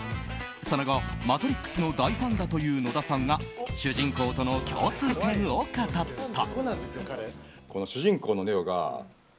その後「マトリックス」の大ファンだという野田さんが主人公との共通点を語った。